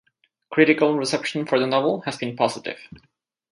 Critical reception for the novel has been positive.